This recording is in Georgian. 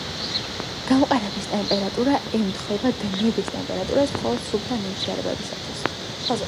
გამყარების ტემპერატურა ემთხვევა დნობის ტემპერატურას მხოლოდ სუფთა ნივთიერებისთვის.